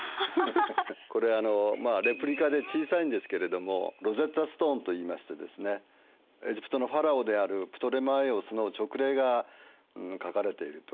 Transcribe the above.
これはレプリカで小さいんですけれどもロゼッタ・ストーンといいましてですねエジプトのファラオであるプトレマイオスの勅令が書かれているという。